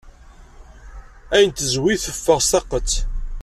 Ayen tezwit teffeɣ s taqqet.